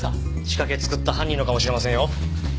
仕掛け作った犯人のかもしれませんよ。